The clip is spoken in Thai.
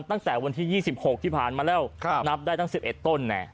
ตั้งแต่วันที่๒๖ที่ผ่านมาแล้วนับได้ตั้ง๑๑ต้น